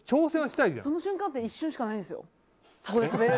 その瞬間って一瞬しかないんですよ。